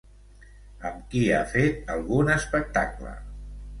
Amb qui ha fet algun espectacle?